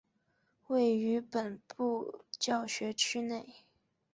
位于本部教学区内。